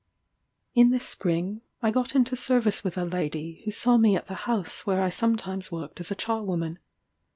In the spring, I got into service with a lady, who saw me at the house where I sometimes worked as a charwoman.